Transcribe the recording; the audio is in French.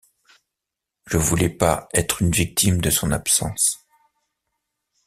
Je voulais pas être une victime de son absence.